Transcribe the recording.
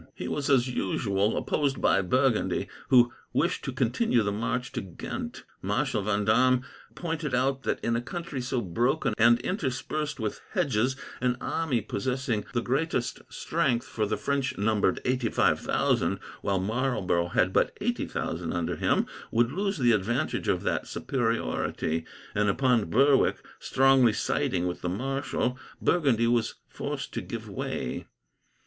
He was, as usual, opposed by Burgundy, who wished to continue the march to Ghent. Marshal Vendome pointed out that, in a country so broken and interspersed with hedges, an army possessing the greatest strength for the French numbered eighty five thousand, while Marlborough had but eighty thousand under him would lose the advantage of that superiority; and, upon Berwick strongly siding with the marshal, Burgundy was forced to give way.